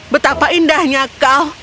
betapa indahnya kau